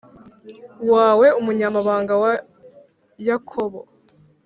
wawe umunyambaraga wa Yakobo